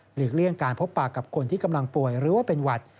เลี่ยงการพบปากกับคนที่กำลังป่วยหรือว่าเป็นหวัด